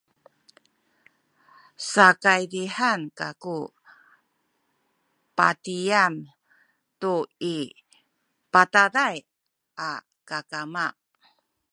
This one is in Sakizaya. sakaydihan kaku patigami tu i bataday a kakama